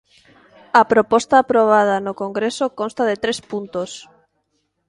A proposta aprobada no Congreso consta de tres puntos.